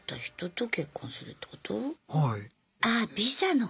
はい。